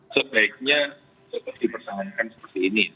sebaiknya harus dipersahankan seperti ini